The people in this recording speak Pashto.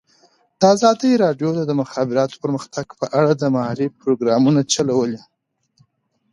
ازادي راډیو د د مخابراتو پرمختګ په اړه د معارفې پروګرامونه چلولي.